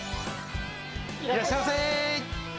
いらっしゃいませ！